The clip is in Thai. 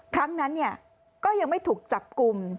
ครั้งนั้นก็ยังไม่ถูกจับกลุ่ม